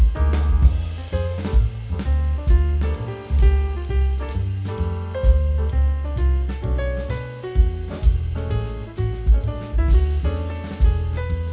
kamu biasanya kita balik sama si pak tv setengahnet